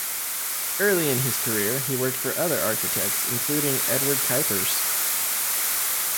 Early in his career he worked for other architects, including Eduard Cuypers.